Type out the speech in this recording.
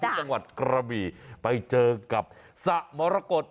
จังหวัดกระบี่ไปเจอกับสระมรกฏ